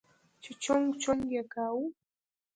چې چونگ چونگ يې کاوه.